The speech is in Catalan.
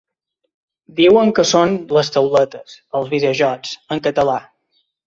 Diuen que són les tauletes, els videojocs… En català.